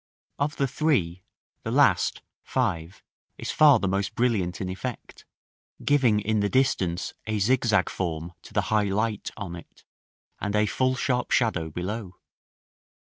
Of the three, the last, 5, is far the most brilliant in effect, giving in the distance a zigzag form to the high light on it, and a full sharp shadow below.